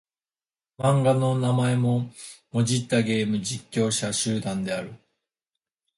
漫画の名前をもじったゲーム実況者集団である。